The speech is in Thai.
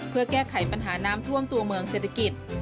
เพื่อแก้ไขปัญหาน้ำท่วมตัวเมืองเศรษฐกิจ